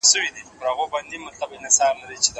که توري سم ونه لیکل سي نو مانا بدلیږي.